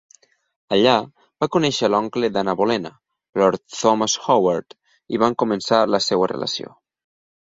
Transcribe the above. Allà va conèixer a l'oncle d'Ana Bolena, Lord Thomas Howard, i van començar la seva relació.